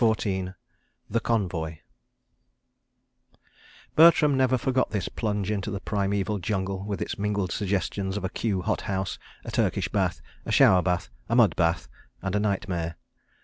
CHAPTER XIV The Convoy Bertram never forgot this plunge into the primeval jungle with its mingled suggestions of a Kew hot house, a Turkish bath, a shower bath, a mud bath and a nightmare.